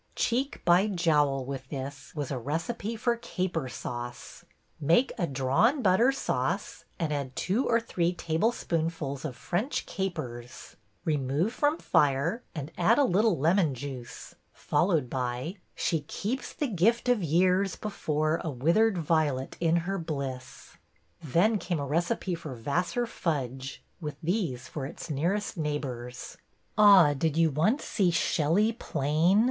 Cheek by jowl with this was a recipe for caper sauce, — THE CLAMMERBOY SI '' Make a drawn butter sauce, and add two or three tablespoonfuls of French Capers; remove from fire and add a little lemon juice,'^ followed by,— She keeps the gift of years before A withered violet in her bliss.'' Then came a recipe for Vassar fudge, with these for its nearest neighbors: Ah, did you once see Shelley plain